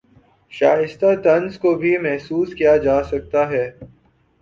شائستہ طنز کو بھی محسوس کیا جاسکتا ہے